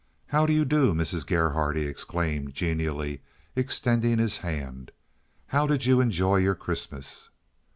"How do you do, Mrs. Gerhardt," he exclaimed genially extending his hand. "How did you enjoy your Christmas?"